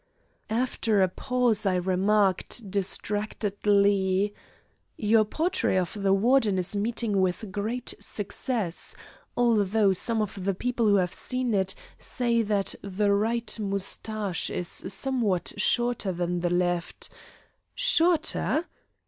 After a pause I remarked distractedly: "Your portrait of the Warden is meeting with great success. Although some of the people who have seen it say that the right moustache is somewhat shorter than the left " "Shorter?"